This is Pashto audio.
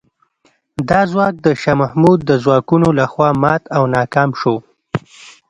دا ځواک د شاه محمود د ځواکونو له خوا مات او ناکام شو.